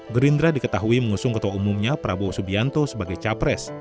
gerindra diketahui mengusung ketua umumnya prabowo subianto sebagai capres